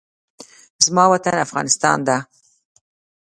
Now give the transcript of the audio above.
زما وطن افغانستان ده